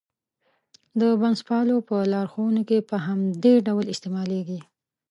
د بنسټپالو په لارښوونو کې په همدې ډول استعمالېږي.